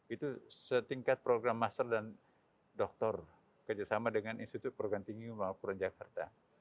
itu setingkat program master dan doktor kerjasama dengan institut program tinggi maupun jakarta